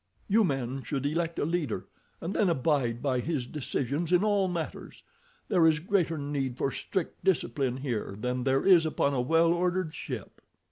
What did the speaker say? You men should elect a leader, and then abide by his decisions in all matters. There is greater need for strict discipline here than there is upon a well ordered ship."